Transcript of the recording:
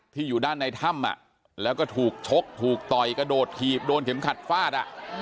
อยู่ด้านในถ้ำแล้วก็ถูกชกถูกต่อยกระโดดถีบโดนเข็มขัดฟาด